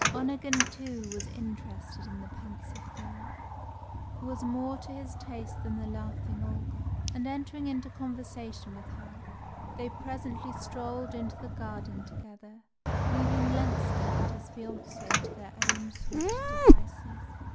Onegin, too, was interested in the pensive girl, who was more to his taste than the laughing Olga; and entering into conversation with her, they presently strolled into the garden together, leaving Lenski and his fiancée to their own sweet devices.